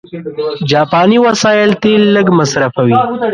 جاپاني وسایل تېل لږ مصرفوي.